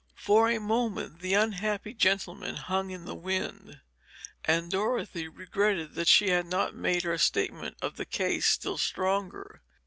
For a moment the unhappy gentleman hung in the wind, and Dorothy regretted that she had not made her statement of the case still stronger.